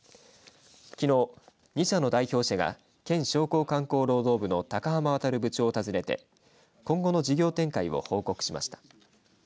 きのう２社の代表者が県商工観光労働部の高濱航部長を訪ねて今後の事業展開を報告しました。